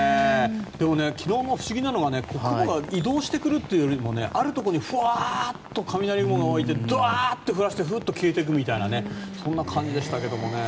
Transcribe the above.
でも昨日の不思議なのは雲が移動してくるっていうよりもあるところにふわっと雷雲が湧いてどわーっと降らせてふっと消えていくみたいなそんな感じでしたけれどもね。